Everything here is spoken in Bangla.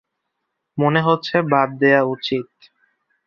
মনে হচ্ছে বাদ দেয়া উচিৎ।